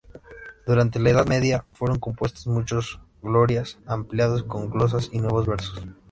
Durante la Edad Media fueron compuestos muchos Glorias ampliados con glosas y nuevos versos.